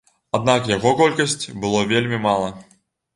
Аднак яго колькасць было вельмі мала.